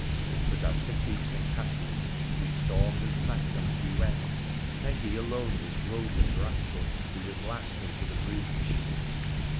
But, as for keeps and castles, we stormed and sacked them as we went, and he alone was rogue and rascal who was last into the breach.